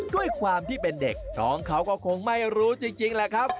ด้วยความที่เป็นเด็กน้องเขาก็คงไม่รู้จริงแหละครับ